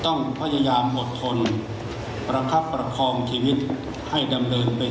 ถือว่าชีวิตที่ผ่านมายังมีความเสียหายแก่ตนและผู้อื่น